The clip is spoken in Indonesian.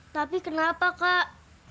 tapi kenapa kak